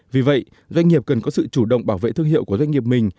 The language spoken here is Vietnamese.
vì vậy doanh nghiệp cần có sự chủ động bảo vệ thương hiệu của doanh nghiệp mình